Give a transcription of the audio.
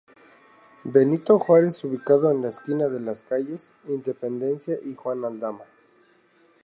Benito Juárez ubicado en la esquina de las calles Independencia y Juan Aldama.